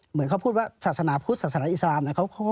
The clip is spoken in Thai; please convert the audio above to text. เหมือนเขาพูดว่าศาสนาพุทธศาสนาอิสลามนะครับ